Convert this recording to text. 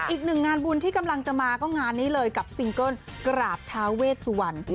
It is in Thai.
อีกหนึ่งงานบุญที่กำลังจะมาก็งานนี้เลยกับซิงเกิ้ลกราบเท้าเวสวรรณ